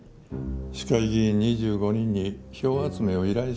市会議員２５人に票集めを依頼しろ。